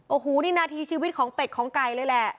โอ้โหนี่นาทีชีวิตของเป็ดของไก่เลยแหละ